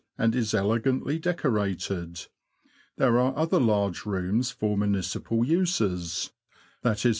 and is elegantly decorated. There are other large rooms for municipal uses — viz.